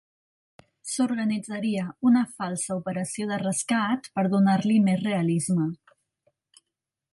S'organitzaria una falsa operació de rescat per donar-li més realisme.